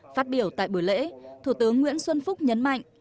phát biểu tại buổi lễ thủ tướng nguyễn xuân phúc nhấn mạnh